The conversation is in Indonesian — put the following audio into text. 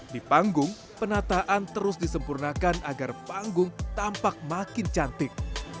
di panggung penataan terus disempurnakan agar panggung tampak makin cantik